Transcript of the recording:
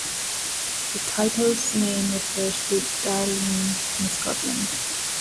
The title's name refers to Darnley in Scotland.